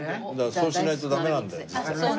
そうしないとダメなんだよ実は。